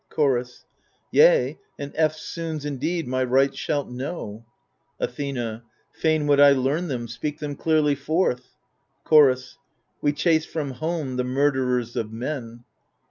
Chorus Yea, and eftsoons indeed my rights shalt know. Athena Fain would I learn them ; speak them clearly forth* Chorus We chase from home the murderers of men.